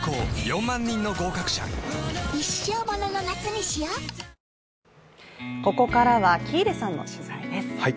新しくなったここからは喜入さんの取材です。